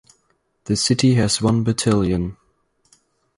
The city has one battalion.